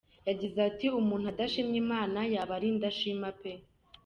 Yagize ati: "Umuntu adashimye Imana yaba ari indashima pe.